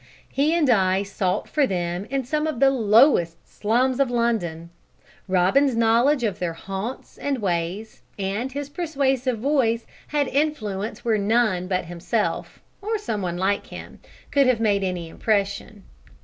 He and I sought for them in some of the lowest slums of London. Robin's knowledge of their haunts and ways, and, his persuasive voice, had influence where none but himself or some one like him could have made any impression.